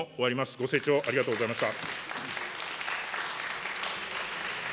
ご清聴ありがとうございました。